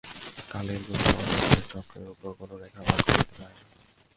কালের গতি অনন্তের চক্রের উপর কোন রেখাপাত করিতে পারে না।